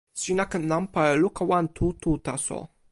sina ken nanpa e luka wan tu tu taso.